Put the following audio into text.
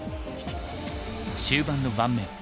終盤の盤面。